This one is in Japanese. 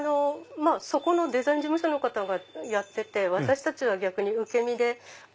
そこのデザイン事務所の方がやってて私たちは逆に受け身で。